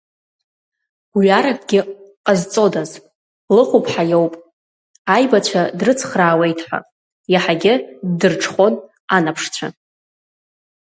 Гәҩаракгьы ҟазҵодаз, лыхәԥҳа иоуп, аибацәа дрыцхраауеит ҳәа, иаҳагьы ддырҽхәон анаԥшцәа.